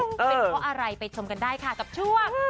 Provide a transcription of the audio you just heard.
เป็นเพราะอะไรไปชมกันได้ค่ะกับช่วง